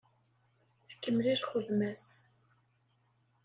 Tkemmel i lxedma-s.